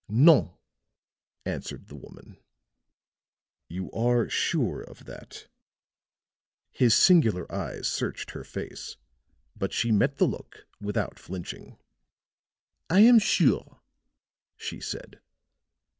"No," answered the woman. "You are sure of that?" His singular eyes searched her face, but she met the look without flinching. "I am sure," she said.